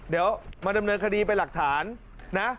เดี๋ยวมาดำเนินคดีไปหลักฐานนะ